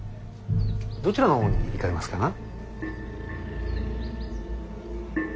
どちらの方に行かれますかな。